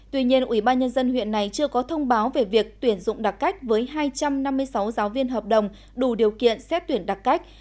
tuy nhiên ủy ban nhân dân huyện này chưa có thông báo về việc tuyển dụng đặc cách với hai trăm năm mươi sáu giáo viên hợp đồng đủ điều kiện xét tuyển đặc cách